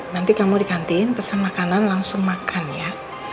nanti kamu di kantin pesen makanan langsung makan ya